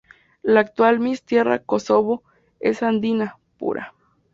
La actual "Miss Tierra Kosovo" es Andina Pura.